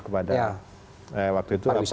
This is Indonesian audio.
kepada waktu itu